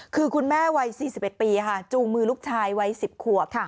คือคุณแม่วัย๔๑ปีจูงมือลูกชายไว้๑๐ขวบ